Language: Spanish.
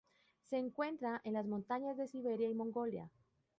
Se encuentra en las montañas de Siberia y Mongolia.